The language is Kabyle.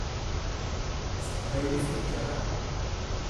S teqbaylit i d-kkreɣ.